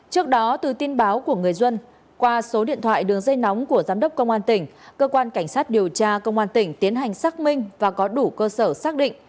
trước đó từ tin báo của người dân qua số điện thoại đường dây nóng của giám đốc công an tỉnh cơ quan cảnh sát điều tra công an tỉnh tiến hành xác minh và có đủ cơ sở xác định